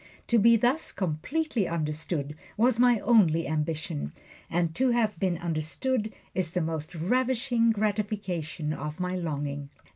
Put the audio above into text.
To be thus completely understood was my only ambition; and to have been understood is the most ravishing gratification of my longing.